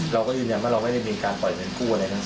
เราก็ยืนยันว่าเราไม่ได้มีการปล่อยเงินกู้อะไรนะ